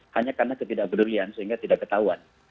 hanya karena ketidakpedulian sehingga tidak ketahuan